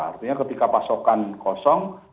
artinya ketika pasokan kosong